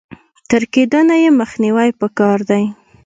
تر کېدونه يې مخنيوی په کار دی.